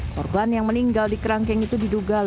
korban yang meninggal di kerangkeng itu diduga